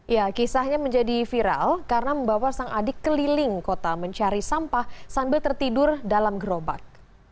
ya kisahnya menjadi viral karena membawa sang adik keliling kota mencari sampah sambil tertidur dalam gerobak